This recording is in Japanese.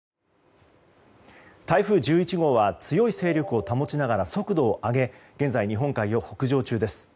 台風１１号は強い勢力を保ちながら速度を上げ現在、日本海を北上中です。